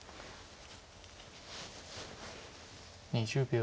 ２０秒。